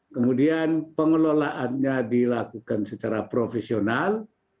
kemudian pengelolaannya dilakukan secara profesional